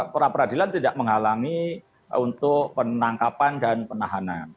peradilan tidak menghalangi untuk penangkapan dan penahanan